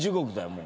もう。